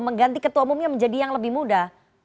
mengganti ketua umumnya menjadi yang lebih muda